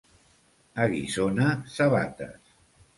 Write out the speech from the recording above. A Guissona, sabates.